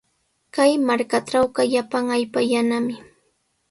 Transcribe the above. Kay markatrawqa llapan allpa yanami.